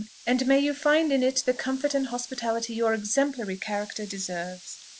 and may you find in it the comfort and hospitality your exemplary character deserves!"